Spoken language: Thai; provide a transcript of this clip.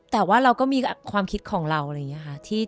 แต่ว่าเราก็มีความคิดของเราอะไรอย่างนี้ค่ะ